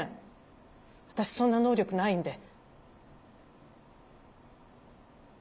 私そんな能力ないんで。